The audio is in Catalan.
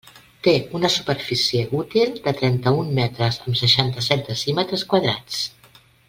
Té una superfície útil de trenta-un metres amb seixanta-set decímetres quadrats.